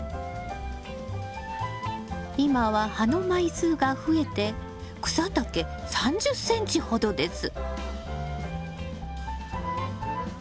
今は葉の枚数が増えて草丈３０ｃｍほどです。